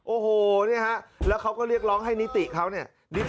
โอ้โหเนี่ยฮะแล้วเขาก็เรียกร้องให้นิติเขาเนี่ย